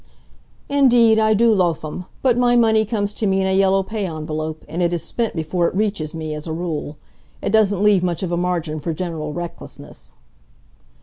"Indeed I do lofe 'em. But my money comes to me in a yellow pay envelope, and it is spent before it reaches me, as a rule. It doesn't leave much of a margin for general recklessness."